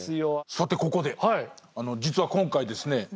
さてここで実は今回ですねえっ！